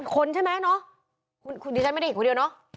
คนใช่ไหมเนอะดิฉันไม่ได้เห็นคนเดียวเนอะ